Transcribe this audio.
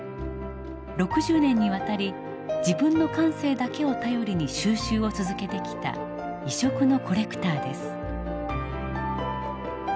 ６０年にわたり自分の感性だけを頼りに収集を続けてきた異色のコレクターです。